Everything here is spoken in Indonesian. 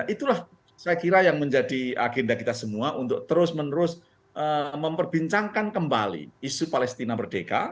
itulah saya kira yang menjadi agenda kita semua untuk terus menerus memperbincangkan kembali isu palestina merdeka